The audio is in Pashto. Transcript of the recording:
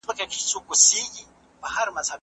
د مجموعي محصول خبره هم په کي هېره سوي ده.